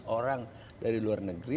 lima ratus orang dari luar negeri